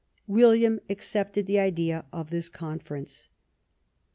William accepted the idea of this Conference.